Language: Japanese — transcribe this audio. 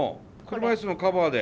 車椅子のカバーで。